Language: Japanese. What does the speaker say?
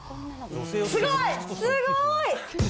すごーい。